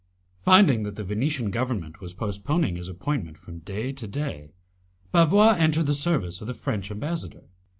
Finding that the Venetian government was postponing his appointment from day to day, Bavois entered the service of the French ambassador.